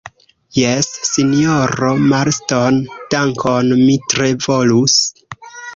Jes, sinjoro Marston, dankon, mi tre volus.